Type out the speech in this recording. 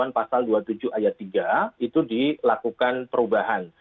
pasal dua puluh tujuh ayat tiga itu dilakukan perubahan